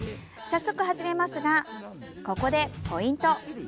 早速始めますが、ここでポイント。